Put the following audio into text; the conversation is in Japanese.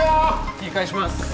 切り返します。